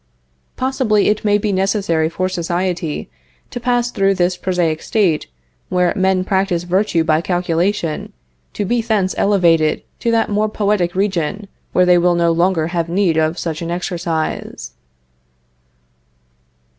Possibly it may be necessary for society to pass through this prosaic state, where men practice virtue by calculation, to be thence elevated to that more poetic region where they will no longer have need of such an exercise.